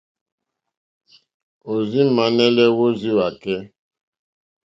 Ò rz-ímànɛ̀lè wórzíwàkɛ́.